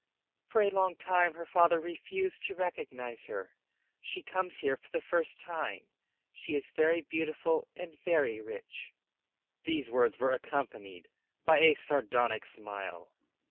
For a long time her father refused to recognize her. She comes here for the first time. She is very beautiful and very rich." These words were accompanied by a sardonic smile.